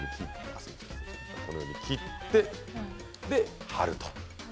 このように切って貼る